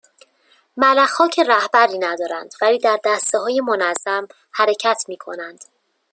ملخها که رهبری ندارند ولی در دستههای منظم حرکت میکنند